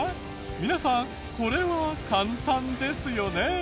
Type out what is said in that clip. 皆さんこれは簡単ですよね？